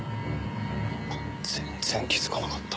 全然気づかなかった。